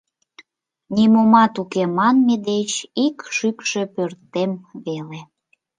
Нимомат уке манме деч, ик шӱкшӧ пӧртем веле.